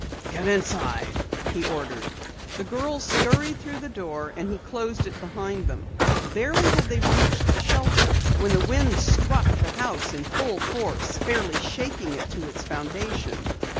"Get inside!" he ordered. The girls scurried through the door and he closed it behind them. Barely had they reached shelter when the wind struck the house in full force, fairly shaking it to its foundation.